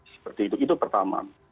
seperti itu itu pertama